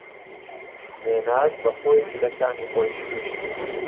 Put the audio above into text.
مێناد بەخۆی جلەکانی خۆی شووشت.